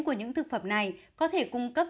của những thực phẩm này có thể cung cấp